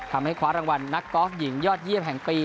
ทำให้คว้ารางวัลนักกอล์ฟหญิงยอด๒๐แห่งปี